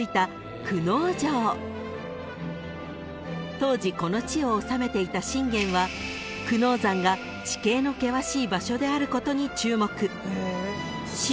［当時この地を治めていた信玄は久能山が地形の険しい場所であることに注目］